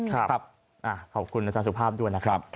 ขอบคุณอาจารย์สุภาพด้วยนะครับ